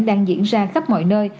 đang diễn ra khắp mọi nơi